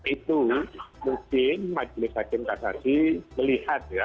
itu mungkin majelis hakim kasasi melihat ya